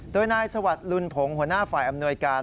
โดยนายสวัสดิ์ลุนผงหัวหน้าฝ่ายอำนวยการ